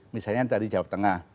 misalnya dari jawa tengah